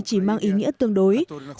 chỉ mang ý nghĩa tự nhiên